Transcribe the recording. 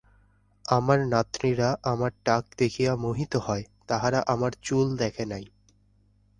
আমার নাতনীরা আমার টাক দেখিয়া মোহিত হয়, তাহারা আমার চুল দেখে নাই।